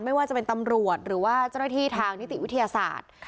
ไม่ว่าจะเป็นตำรวจหรือว่าเจ้าหน้าที่ทางนิติวิทยาศาสตร์